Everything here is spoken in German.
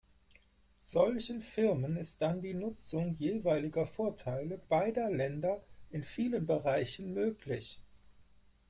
Solchen Firmen ist dann die Nutzung jeweiliger Vorteile beider Länder in vielen Bereichen möglich.